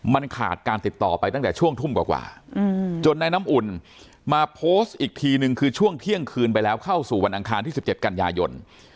มันขาดการติดต่อไปตั้งแต่ช่วงทุ่มกว่าจนนายน้ำอุ่นมาโพสต์อีกทีนึงคือช่วงเที่ยงคืนไปแล้วเข้าสู่วันอังคารที่๑๗กันยายน